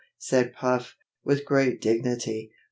said Puff, with great dignity.